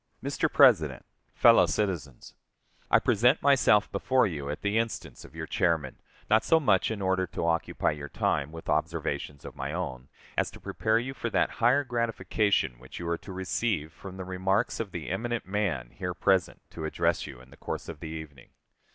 Mr. President Fellow Citizens: I present myself before you at the instance of your chairman, not so much in order to occupy your time with observations of my own, as to prepare you for that higher gratification which you are to receive from the remarks of the eminent man here present to address you in the course of the evening.